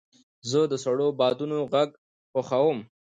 زه د سړو بادونو غږ خوښوم.